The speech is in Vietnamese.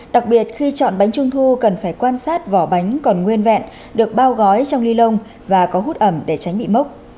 đặc biệt khi chọn bánh trung thu cần phải quan sát vỏ bánh còn nguyên vẹn được bao gói trong ly lông và có hút ẩm để tránh bị mốc